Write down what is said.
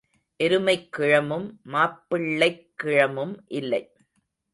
எருமைக் கிழமும் மாப்பிள்ளைக் கிழமும் இல்லை.